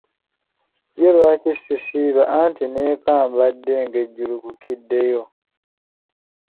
Ye lwaki si siiba anti n’eka mbadde ngejjulukukiddeyo.